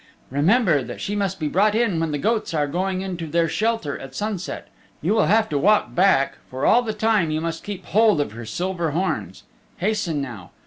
Remember that she must be brought in when the goats are going into their shelter at sunset. You will have to walk back for all the time you must keep hold of her silver horns. Hasten now.